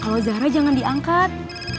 kalau zara jangan diangkat